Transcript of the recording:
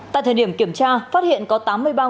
tại thời điểm kiểm tra phát hiện có tám mươi ba nguyên liệu